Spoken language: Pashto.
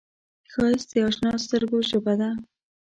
ښایست د اشنا سترګو ژبه ده